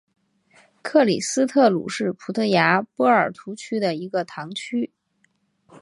克里斯特卢是葡萄牙波尔图区的一个堂区。